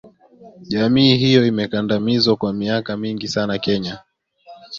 jamii hiyo imekandamizwa kwa miaka mingi sana Kenya